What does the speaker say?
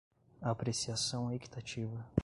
apreciação equitativa